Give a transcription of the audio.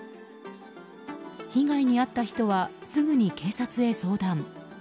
被害に遭った人はすぐに警察へ相談。